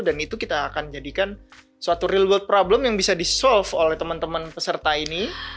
dan itu kita akan jadikan suatu real world problem yang bisa disolve oleh teman teman peserta ini